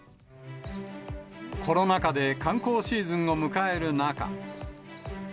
コロナ禍で観光シーズンを迎える中。